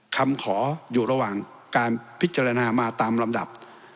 คำขออยู่ระหว่างการพิจารณามาตามลำดับ